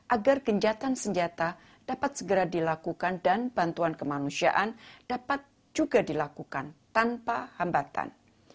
agar genjatan senjata dapat segera dilakukan dan bantuan kemanusiaan dapat juga dilakukan tanpa hambatan